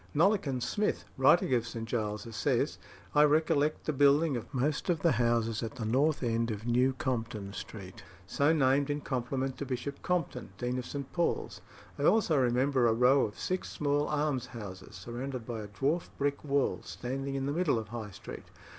"Nollekens" Smith, writing of St. Giles's, says: "I recollect the building of most of the houses at the north end of New Compton Street so named in compliment to Bishop Compton, Dean of St. Paul's. I also remember a row of six small almshouses, surrounded by a dwarf brick wall, standing in the middle of High Street.